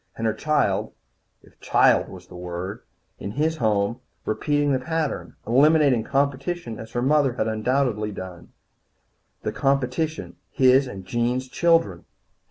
And her child if child was the word in his home, repeating the pattern. Eliminating competition as her mother undoubtedly had done. The competition his and Jean's children!